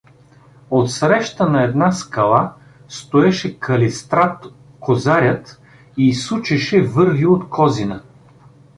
Отсреща на една скала стоеше Калистрат козарят и сучеше върви от Козина.